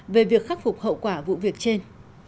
về việc khắc phục hậu quả vụ việc trên